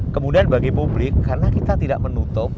kemudian bagi publik karena kita tidak menutup